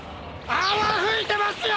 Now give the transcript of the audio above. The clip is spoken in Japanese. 泡吹いてますよ！？